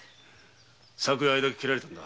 昨夜あれだけ蹴られたのだ。